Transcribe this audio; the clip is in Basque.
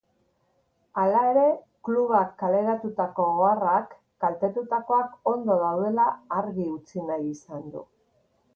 Halere, klubak kaleratutako oharrak kaltetutakoak ondo daudela argi utzi nahi izan du.